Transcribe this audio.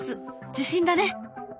受信だね。